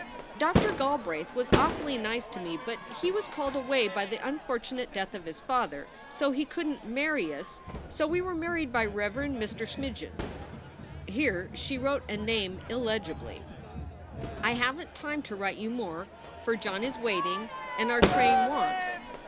Dr. Galbraith was awfully nice to me but he was called away by the unfortunate death of his father so he couldent marry us so we were married by Rev. Mr. Smjxns [here she wrote a name illegibly]. I havent time to write you more, for John is waiting and our train wont.